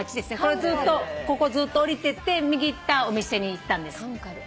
ここずっと下りていって右行ったお店に行ったんです。